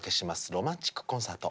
「ロマンチックコンサート」。